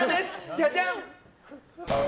じゃじゃん！